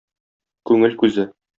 Күңел күзе.